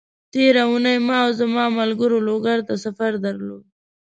تېره اونۍ ما او زما ملګرو لوګر ته سفر درلود،